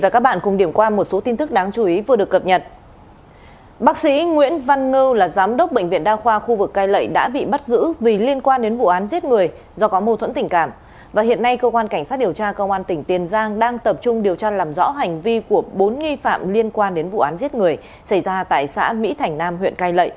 các bạn hãy đăng ký kênh để ủng hộ kênh của chúng mình nhé